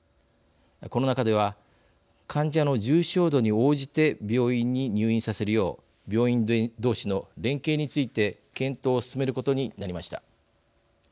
この中では患者の重症度に応じて病院に入院させるよう病院同士の連携について検討を進めることになりました。